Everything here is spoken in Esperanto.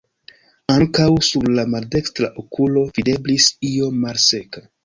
Ankaŭ sur la maldekstra okulo videblis io malseka.